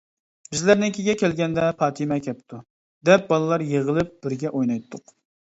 بىزلەرنىڭكىگە كەلگەندە، پاتىمە كەپتۇ، دەپ بالىلار يىغىلىپ بىرگە ئوينايتتۇق.